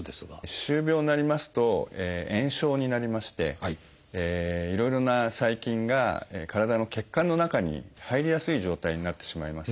歯周病になりますと炎症になりましていろいろな細菌が体の血管の中に入りやすい状態になってしまいます。